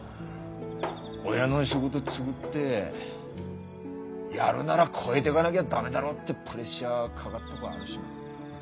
親の仕事継ぐってやるなら超えてかなぎゃ駄目だろってプレッシャーかがっとごあるしな。